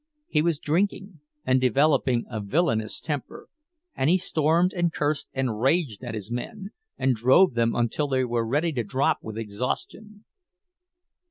He was drinking, and developing a villainous temper, and he stormed and cursed and raged at his men, and drove them until they were ready to drop with exhaustion.